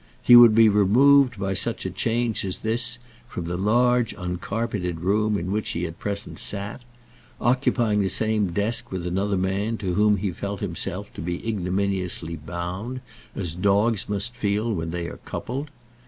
He would be removed by such a change as this from the large uncarpeted room in which he at present sat; occupying the same desk with another man to whom he had felt himself to be ignominiously bound, as dogs must feel when they are coupled.